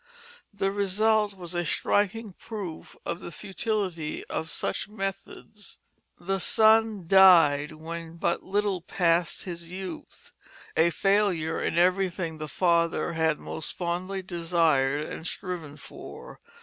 The result was a striking proof of the futility of such methods. The son died when but little past his youth, a failure in everything the father had most fondly desired and striven for.